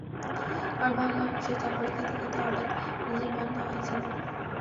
আবার ভাঙা অংশে ঝাঁকুনি খেতে খেতে হঠাৎ ইঞ্জিন বন্ধ হয়ে যায়।